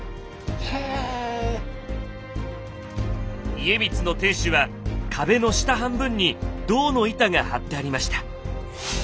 家光の天守は壁の下半分に銅の板が張ってありました。